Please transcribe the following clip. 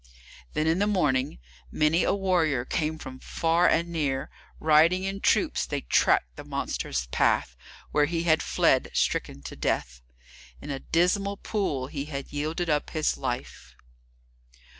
Then, in the morning, many a warrior came from far and near. Riding in troops, they tracked the monster's path, where he had fled stricken to death. In a dismal pool he had yielded up his life.